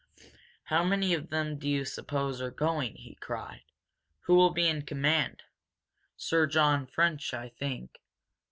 "How many of them do you suppose are going?" he cried. "Who will be in command? Sir John French, I think.